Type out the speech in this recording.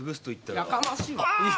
やかましいわ！